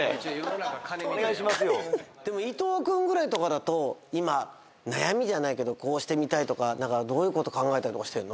でも伊藤君ぐらいとかだと今悩みじゃないけどこうしてみたいとか何かどういうこと考えたりしてんの？